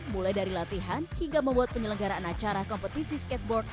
mulai dari latihan hingga membuat penyelenggaraan acara kompetisi skateboard